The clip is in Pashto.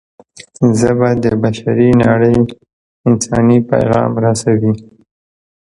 ژبه د بشري نړۍ انساني پیغام رسوي